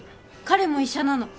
彼も医者なの。